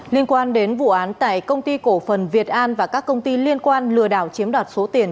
liên quan đến vụ án tại công ty cổ phần việt an và các công ty liên quan lừa đảo chiếm đoạt số tiền